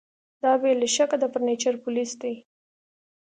دا بې له شکه د فرنیچر پولیس دي